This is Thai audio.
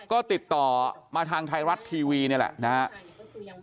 ก็ติดต่อมาทางไทยรัฐทีวีนี่แหละนะครับ